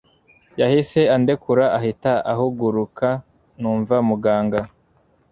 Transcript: yahise andekura ahita ahuguruka numva muganga